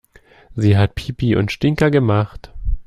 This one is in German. Sie hat Pipi und Stinker gemacht.